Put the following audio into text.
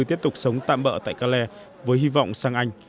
tiếp tục sống tạm bỡ tại kalle với hy vọng sang anh